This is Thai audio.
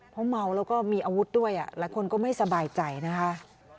เพราะเมาแล้วก็มีอาวุธด้วยหลายคนก็ไม่สบายใจนะคะ